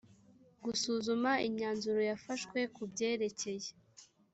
gusuzuma imyanzuro yafashwe ku byerekeye